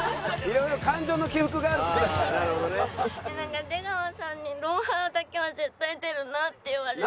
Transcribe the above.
いやなんか出川さんに『ロンハー』だけは絶対出るなって言われてて。